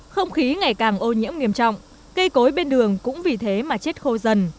không khí ngày càng ô nhiễm nghiêm trọng cây cối bên đường cũng vì thế mà chết khô dần